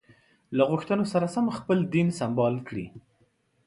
له غوښتنو سره سم خپل دین سمبال کړي.